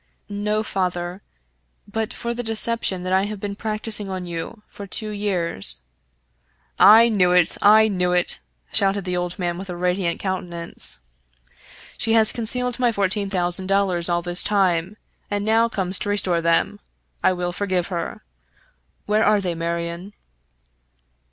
No, father, but for the deception that I have been prac ticing on you for two years "" I knew it ! I knew it !" shouted the old man, with a radiant countenance. " She has concealed my fourteen 22 Fitzjames O'Brien thousand dollars all this time, and now comes to restore them. I will forgive her. Where are they, Marion?"